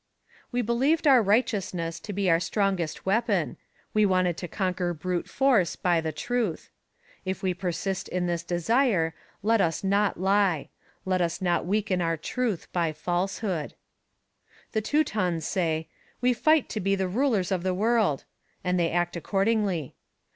We believed our righteousness to be our strongest weapon. We wanted to conquer brute force by the truth. If we persist in this desire, let us not lie; let us not weaken our truth by falsehood. The Teutons say: "We fight to be the rulers of the world," and they act accordingly.